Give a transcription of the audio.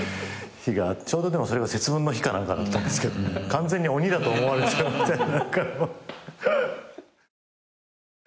ちょうどでもそれが節分の日か何かだったんですけど完全に鬼だと思われてるみたいな。